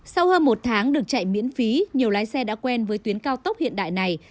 sau hơn một tháng được chạy miễn phí nhiều lái xe đã quen với tuyến cao tốc hiện đại này